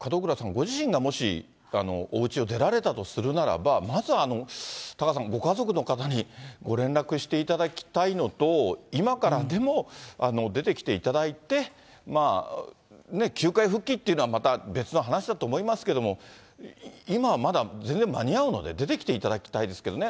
ご自身がもし、おうちを出られたとするならば、まず、タカさん、ご家族の方にご連絡していただきたいのと、今からでも出てきていただいて、球界復帰というのはまた別の話だと思いますけれども、今はまだ全然間に合うので、出てきていただきたいですけどね。